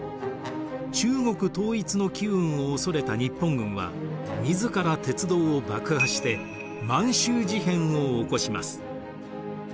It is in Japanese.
中国統一の機運を恐れた日本軍は自ら鉄道を爆破して満州事変を起こします。